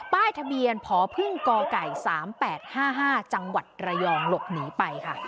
ป้ายทะเบียนพพ๓๘๕๕จังหวัดระยองหลบหนีไปค่ะ